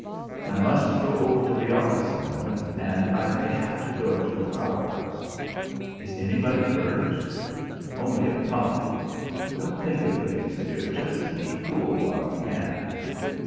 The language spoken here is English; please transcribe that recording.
"I must go over to the office a moment, and I may have to go to the power house." "Is anybody hurt?" "Only a pump. Don't think of things, dear. Just keep cool while you can."